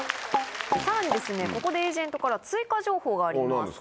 さらにここでエージェントから追加情報があります。